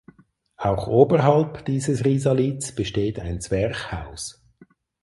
Auch oberhalb dieses Risalits besteht ein Zwerchhaus.